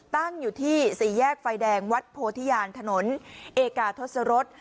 ตั้งอยู่ที่สี่แยกไฟแดงวัดโพธิญาณถนนเอกาทศรษ